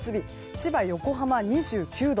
千葉、横浜、２９度。